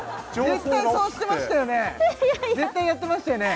絶対やってましたよね？